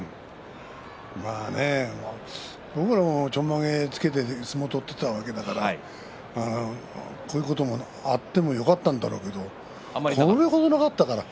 僕たちもちょんまげをつけて相撲を取っていたわけだからこういうこともあってもよかったんだろうけどこれはなかったからね。